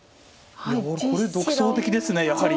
これ独創的ですやはり。